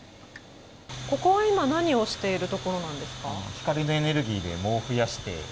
ここ、今何をしているところなんですか？